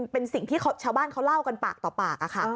เป็นสิ่งที่ชาวบ้านเขาเล่ากันปากต่อปากค่ะ